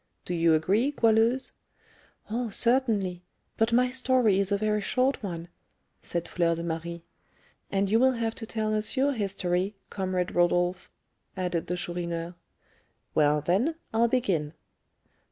Do you agree, Goualeuse?" "Oh, certainly; but my story is a very short one," said Fleur de Marie. "And you will have to tell us your history, comrade Rodolph," added the Chourineur. "Well, then, I'll begin."